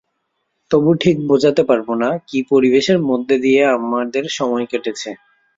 তবু ঠিক বোঝাতে পারব না, কী পরিবেশের মধ্যে দিয়ে আমাদের সময় কেটেছে।